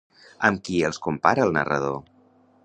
Amb qui els compara el narrador?